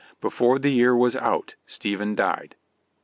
Before the year was out Stephen died.